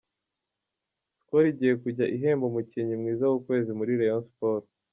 Skol igiye kujya ihemba umukinnyi mwiza w’ukwezi muri Rayon Sports .